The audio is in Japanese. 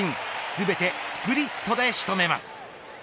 全てスプリットで仕留めます。